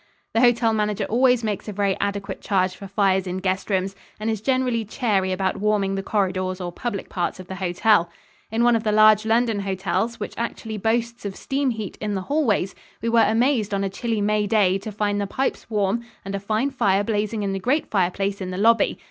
The hotel manager always makes a very adequate charge for fires in guest rooms and is generally chary about warming the corridors or public parts of the hotel. In one of the large London hotels which actually boasts of steam heat in the hallways, we were amazed on a chilly May day to find the pipes warm and a fine fire blazing in the great fireplace in the lobby.